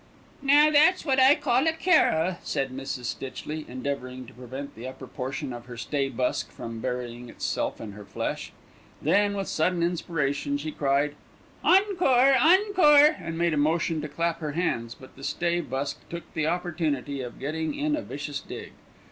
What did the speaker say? "Now that's what I call a carol," said Mrs. Stitchley, endeavouring to prevent the upper portion of her stay busk from burying itself in her flesh. Then, with sudden inspiration, she cried, "Encore! Encore!" and made a motion to clap her hands; but the stay busk took the opportunity of getting in a vicious dig.